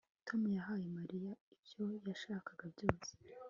Tom yahaye Mariya ibyo yashakaga byose